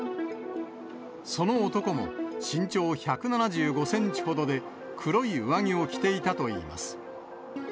その男も身長１７５センチほどで、黒い上着を着ていたといいます。